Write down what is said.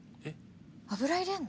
油入れんの？